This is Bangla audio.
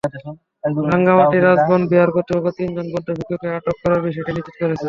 রাঙামাটি রাজবন বিহার কর্তৃপক্ষ তিনজন বৌদ্ধ ভিক্ষুকে আটক করার বিষয়টি নিশ্চিত করেছে।